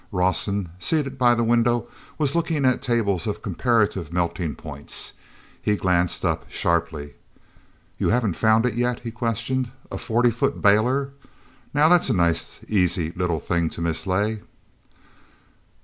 Rawson, seated by the window, was looking at tables of comparative melting points. He glanced up sharply. "You haven't found it yet?" he questioned. "A forty foot bailer! Now that's a nice easy little thing to mislay."